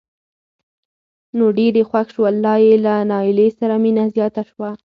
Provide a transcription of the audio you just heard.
نو ډېر یې خوښ شول لا یې له نایلې سره مینه زیاته شوه.